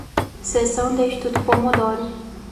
Sessão de estudo pomodoro